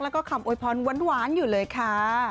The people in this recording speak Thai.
แล้วก็คำโวยพรหวานอยู่เลยค่ะ